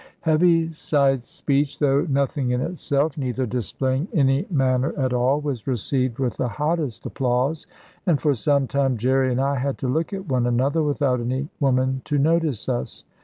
Heaviside's speech, though nothing in itself, neither displaying any manner at all, was received with the hottest applause; and for some time Jerry and I had to look at one another, without any woman to notice us.